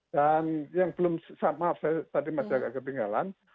dan yang belum maaf saya tadi masih agak kepinggalan